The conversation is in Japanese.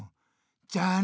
じゃあな！